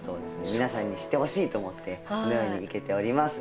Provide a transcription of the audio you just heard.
皆さんに知ってほしいと思ってこのように生けております。